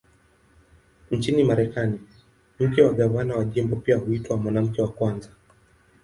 Nchini Marekani, mke wa gavana wa jimbo pia huitwa "Mwanamke wa Kwanza".